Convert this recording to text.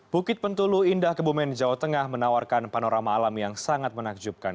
bukit pentulu indah kebumen jawa tengah menawarkan panorama alam yang sangat menakjubkan